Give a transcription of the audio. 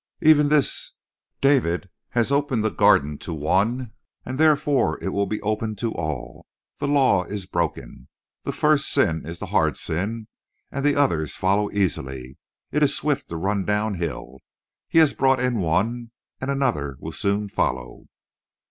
"Even this: 'David has opened the Garden to one and therefore it will be opened to all. The law is broken. The first sin is the hard sin and the others follow easily. It is swift to run downhill. He has brought in one, and another will soon follow.'"